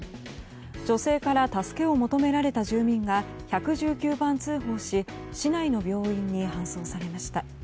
女性から助けを求められた住民が１１９番通報し市内の病院に搬送されました。